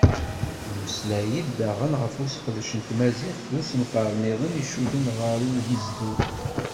Yemmeslay-d daɣen ɣef useqdec n tmaziɣt d usenfar-nniḍen i icudden ɣar ugezdu.